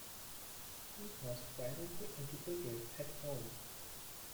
He was privately educated at home.